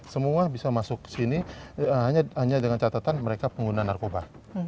semua bisa masuk ke sini hanya dengan catatan mereka pengguna narkoba